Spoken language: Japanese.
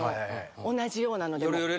同じようなのでも。